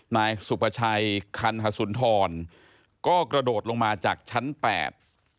นายสุประชัยคันหสุนทรก็กระโดดลงมาจากชั้นแปด